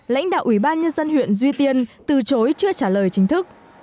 lãnh đạo ủy ban nhân dân huyện duy tiên từ chối chưa trả lời chính thức